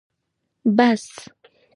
🚍 بس